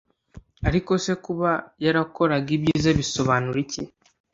Ariko se kuba yarakoraga ibyiza bisobanura iki